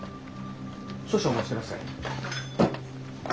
少々お待ちください。